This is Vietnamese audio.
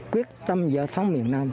quyết tâm giải phóng miền nam